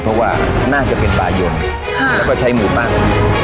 เพราะว่าน่าจะเป็นปลายนแล้วก็ใช้หมูปั้ง